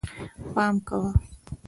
پام کوه